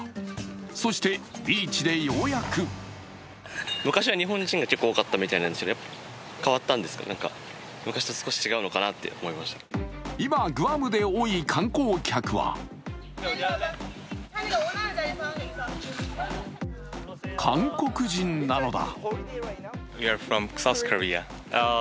そしてビーチでようやく今、グアムで多い観光客は韓国人なのだ。